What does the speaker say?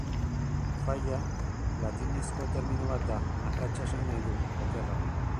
Faila, latinezko termino bat da, akatsa esan nahi du, okerra.